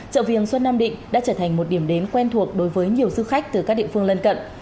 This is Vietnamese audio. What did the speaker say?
chợ viềng xuân nam định đã trở thành một điểm đến quen thuộc đối với nhiều du khách từ các địa phương lân cận